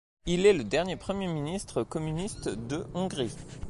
Il est le dernier premier ministre communiste de Hongrie.